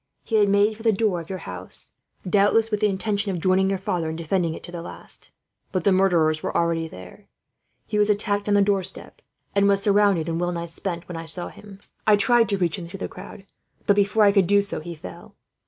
He had made for the door of your house, doubtless with the intention of joining your father in defending it to the last; but the murderers were already there. He was attacked on the doorstep, and was surrounded, and well nigh spent, when I saw him. I tried to reach him through the crowd but, before I could do so, he fell.